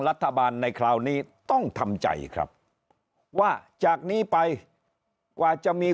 รัฐบาลในคราวนี้ต้องทำใจครับว่าจากนี้ไปกว่าจะมี